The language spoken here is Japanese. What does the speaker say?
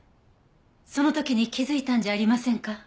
その時に気づいたんじゃありませんか？